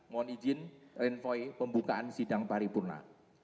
mohon izin envoy pembukaan sidang paripurna